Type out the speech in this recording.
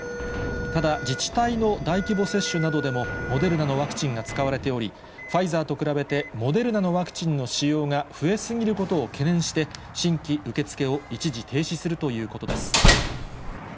ただ、自治体の大規模接種などでもモデルナのワクチンが使われており、ファイザーと比べてモデルナのワクチンの使用が増え過ぎることを懸念して、新規受け付けを一時停止するということです。